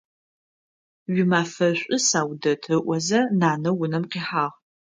Уимафэ шӀу, Саудэт! – ыӀозэ нанэ унэм къихьагъ.